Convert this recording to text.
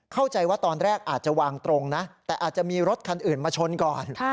เข้าใจว่าตอนแรกอาจจะวางตรงนะแต่อาจจะมีรถคันอื่นมาชนก่อน